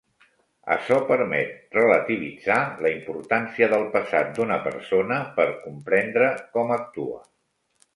Açò permet relativitzar la importància del passat d'una persona per comprendre com actua.